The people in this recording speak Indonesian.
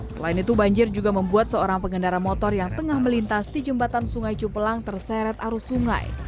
selain itu banjir juga membuat seorang pengendara motor yang tengah melintas di jembatan sungai cupelang terseret arus sungai